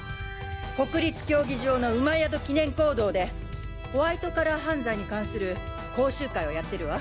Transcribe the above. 国立競技場の厩戸記念講堂でホワイトカラー犯罪に関する講習会をやってるわ。